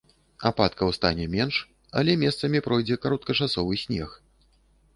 Ападкаў стане менш, але месцамі пройдзе кароткачасовы снег.